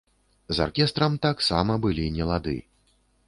З аркестрам таксама былі нелады.